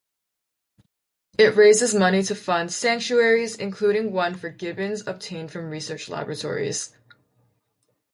It raises money to fund sanctuaries, including one for gibbons obtained from research laboratories.